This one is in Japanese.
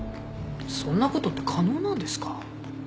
そんなことって可能なんですか？